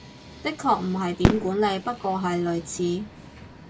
的確唔係點管理，不過係類似